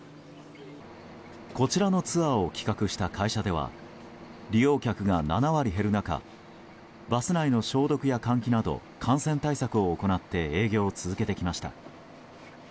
こちらのツアーを企画した会社では、利用客が７割減る中バス内の消毒や換気など感染対策を行って営業を続けてきました。